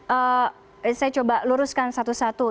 eee saya coba luruskan satu satu